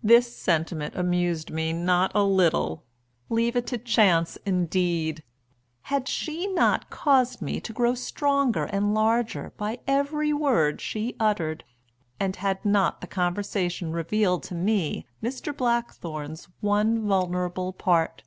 This sentiment amused me not a little. Leave it to chance indeed! Had she not caused me to grow stronger and larger by every word she uttered? And had not the conversation revealed to me Mr. Blackthorn's one vulnerable part?